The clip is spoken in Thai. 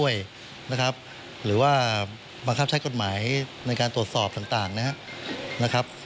อยู่แล้วแล้วหน้าที่ของอาศัยที่ไปประดับบัดงานกับ